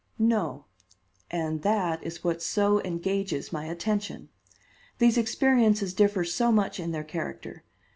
"No; and that is what so engages my attention. These experiences differ so much in their character.